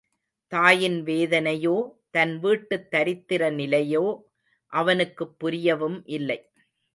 தாயின் வேதனையோ, தன் வீட்டுத் தரித்திர நிலையோ அவனுக்குப் புரியவும் இல்லை.